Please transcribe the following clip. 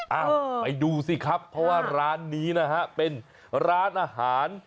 เอ้าไปดูสิครับเพราะว่าร้านนี้นะฮะเป็นร้านอาหาร